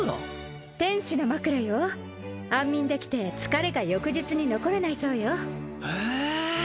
天使の枕よ安眠できて疲れが翌日に残らないそうよへえ